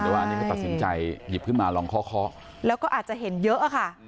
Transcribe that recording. แต่ว่าตัดสินใจหยิบขึ้นมาลองคอแล้วก็อาจจะเห็นเยอะอ่ะค่ะ